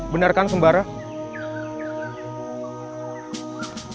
benar kan sembarang